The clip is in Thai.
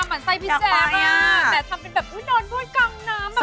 เหม็นไส้พิเศษปักแต่ทำเป็นแบบอุ๊ยนอนด้วยกลางน้ำ